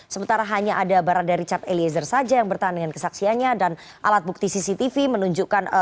sementara hanya ada barada richard eliezer saja yang bertahan dengan kesaksiannya dan alat bukti cctv menunjukkan